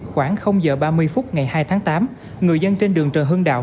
khoảng giờ ba mươi phút ngày hai tháng tám người dân trên đường trần hưng đạo